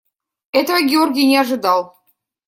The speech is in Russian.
Этого Георгий не ожидал.